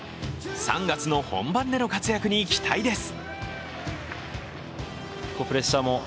３月の本番での活躍に期待です。